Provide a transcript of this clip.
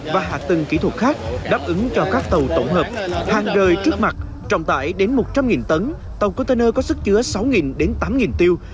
và hạ tầng kỹ thuật khác đáp ứng cho các tàu tổng hợp hàng rời trước mặt trọng tải đến một trăm linh tấn tàu container có sức chứa sáu đến tám tiêu